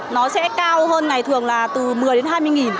nó sẽ cao hơn ngày thường là từ một mươi đến hai mươi nghìn